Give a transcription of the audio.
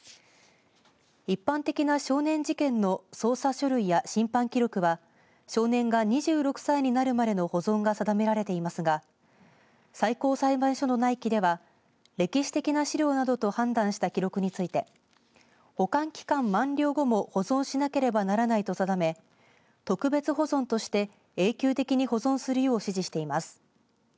一般的な少年事件の捜査書類や審判記録は少年が２６歳になるまでの保存が定められていますが最高裁判所の内規では歴史的な資料などと判断した記録について保管期間満了後も保存しなければならないと定め特別保存として永久的に保存するよう指示しています。